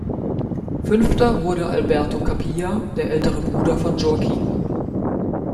Fünfter wurde Alberto Capilla, der ältere Bruder von Joaquín.